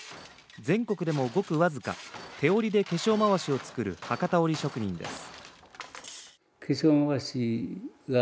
全国でも、ごく僅か手織りで化粧まわしを作る博多織職人です。